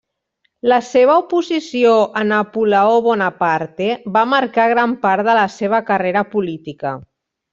La seva oposició a Napoleó Bonaparte va marcar gran part de la seva carrera política.